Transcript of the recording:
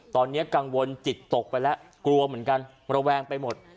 ตอนนี้กังวลจิตตกไปแล้วกลัวเหมือนกันระแวงไปหมด